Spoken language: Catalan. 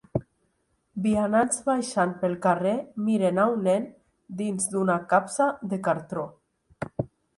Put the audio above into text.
Vianants baixant pel carrer miren a un nen dins d'una capsa de cartó